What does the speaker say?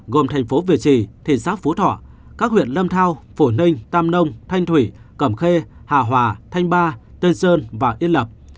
gồm thành phố việt trì thịnh sáp phú thọ các huyện lâm thao phủ ninh tam nông thanh thủy cẩm khê hà hòa thanh ba tên sơn và yên lập